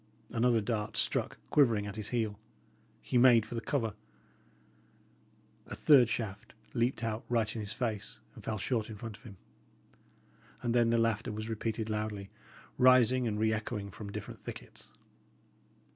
Another dart struck quivering at his heel. He made for the cover. A third shaft leaped out right in his face, and fell short in front of him. And then the laughter was repeated loudly, rising and reechoing from different thickets.